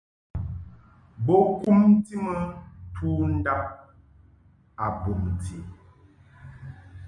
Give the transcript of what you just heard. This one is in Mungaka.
Bo kumti mɨ tundab a bumti.